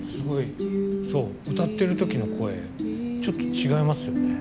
歌ってる時の声ちょっと違いますよね。